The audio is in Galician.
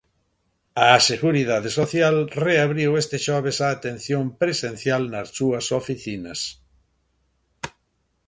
A Seguridade Social reabriu este xoves a atención presencial nas súas oficinas.